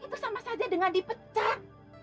itu sama saja dengan dipecat